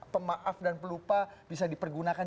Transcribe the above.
pemaaf dan pelupa bisa dipergunakan